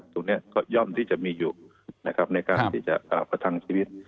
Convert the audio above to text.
ตรงนี้ก็ย่อมที่จะมีอยู่นะครับในการที่จะประทังชีวิต